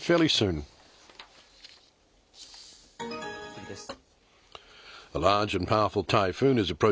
次です。